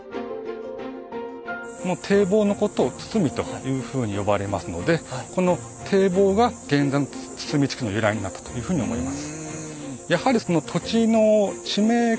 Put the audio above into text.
この堤防のことを堤というふうに呼ばれますのでこの堤防が現在の堤地区の由来になったというふうに思います。